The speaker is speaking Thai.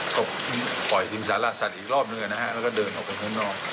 ปล่อยถึงสารสัตว์อีกรอบหนึ่งนะฮะแล้วก็เดินออกไปข้างนอก